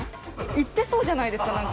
行ってそうじゃないですか何か。